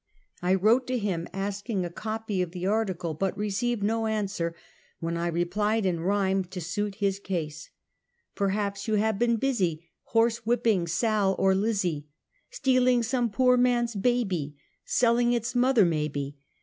I wrote to him asking a copy of the article, but re ceived no answer, when I replied in rhyme to suit his case: Perhaps you have been busy Horsewhipping Sal or Lizzie, Stealing some poor man's baby, Selling its mother, may be.